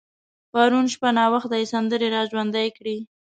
پرون شپه ناوخته يې سندرې را ژوندۍ کړې.